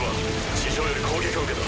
地上より攻撃を受けた。